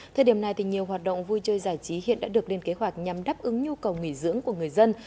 thời điểm này nhiều hoạt động vui chơi giải trí hiện đã được lên kế hoạch nhằm đáp ứng nhu cầu nghỉ dưỡng của người dân